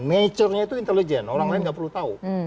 nature nya itu intelijen orang lain nggak perlu tahu